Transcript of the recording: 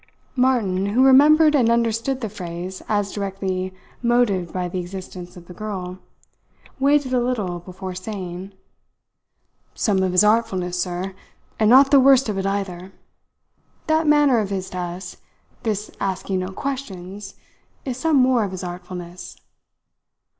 Martin, who remembered and understood the phrase as directly motived by the existence of the girl, waited a little before saying: "Some of his artfulness, sir; and not the worst of it either. That manner of his to us, this asking no questions, is some more of his artfulness.